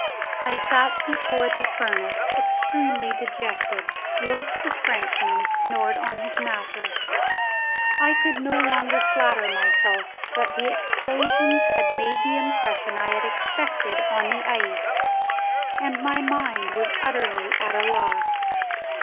I sat before the furnace extremely dejected, whilst the Frenchman snored on his mattress. I could no longer flatter myself that the explosions had made the impression I had expected on the ice, and my mind was utterly at a loss.